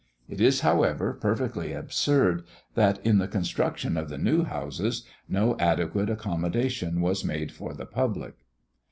It is, however, perfectly absurd that, in the construction of the new Houses, no adequate accommodation was made for the public.